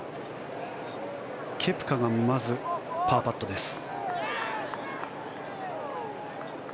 ケプカがまずパーパットです。